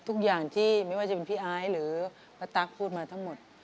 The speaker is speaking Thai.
ทุกอย่างที่ไม่ว่าจะเป็นพี่ไอซ์หรือป้าตั๊กพูดมาทั้งหมด